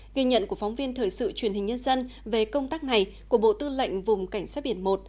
nghe nhận của phóng viên thời sự truyền hình nhân dân về công tác ngày của bộ tư lệnh vùng cảnh sát biển i